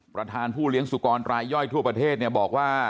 ผู้เลี้ยงสุกรรายย่อยทั่วประเทศบอกว่า